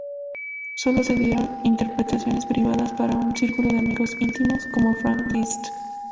Sólo se dieron interpretaciones privadas para un círculo de amigos íntimos, como Franz Liszt.